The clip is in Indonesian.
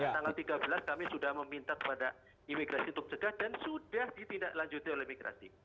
tanggal tiga belas kami sudah meminta kepada imigrasi untuk cegah dan sudah ditindaklanjuti oleh imigrasi